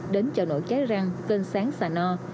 đến chợ nổi trái răng cơn sáng sà no